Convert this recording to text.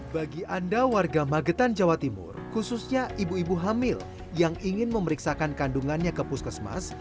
bagi anda warga magetan jawa timur khususnya ibu ibu hamil yang ingin memeriksakan kandungannya ke puskesmas